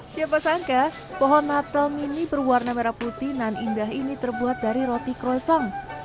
siapa sangka pohon natal mini berwarna merah putih dan indah ini terbuat dari roti krosong